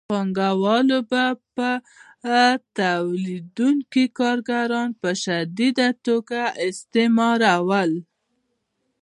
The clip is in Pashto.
پانګوالو به تولیدونکي کارګران په شدیده توګه استثمارول